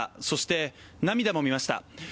そして涙も見ました。